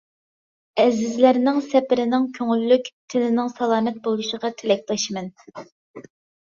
ئەزىزلەرنىڭ سەپىرىنىڭ كۆڭۈللۈك، تېنىنىڭ سالامەت بولۇشىغا تىلەكداشمەن!